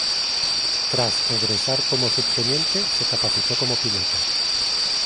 Tras egresar como subteniente se capacitó como piloto.